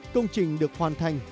công trình được hoàn thành